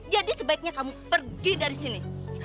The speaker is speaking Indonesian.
jadi sebaiknya kamu pergi dari sini